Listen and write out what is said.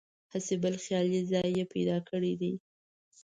هسې بل خیالي ځای یې پیدا کړی دی.